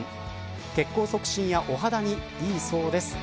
血行促進やお肌にいいそうです。